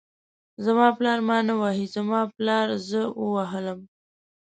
زما پالر ما نه وهي، زما پالر زه ووهلم.